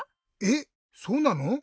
えっそうなの？